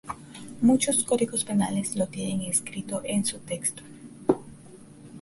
Muchos Códigos Penales lo tienen escrito en su texto.